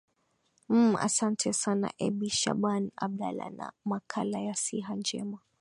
m asante sana ebi shaban abdala na makala ya siha njema